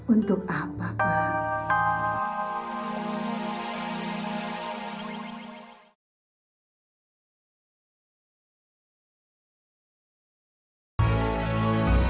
untuk apa pak